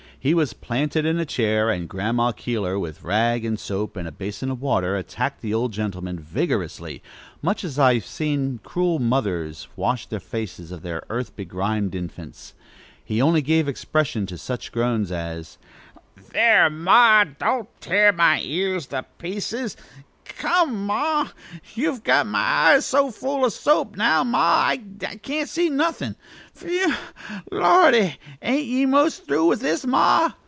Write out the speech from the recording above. He was planted in a chair, and Grandma Keeler, with rag and soap and a basin of water, attacked the old gentleman vigorously, much as I have seen cruel mothers wash the faces of their earth begrimed infants. He only gave expression to such groans as: "Thar', ma! don't tear my ears to pieces! Come, ma! you've got my eyes so full o' soap now, ma, that I can't see nothin'. Phew, Lordy! ain't ye most through with this, ma?"